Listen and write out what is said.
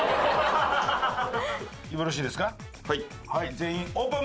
全員オープン！